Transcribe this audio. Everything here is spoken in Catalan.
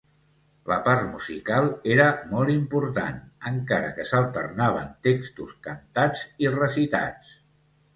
La part musical era molt important, encara que s'alternaven textos cantats i recitats.